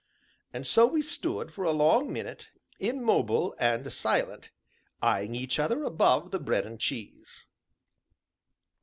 And so we stood, for a long minute, immobile and silent, eyeing each other above the bread and cheese.